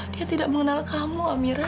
dia tidak mengenal kamu amira